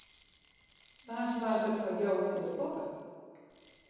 Wa soarget foar jo en de poppe?